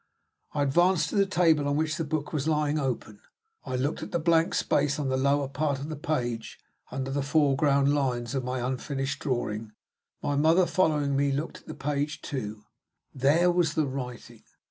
I advanced to the table on which the book was lying open. I looked at the blank space on the lower part of the page, under the foreground lines of my unfinished drawing. My mother, following me, looked at the page too. There was the writing!